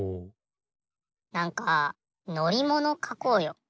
なんかのりものかこうよ。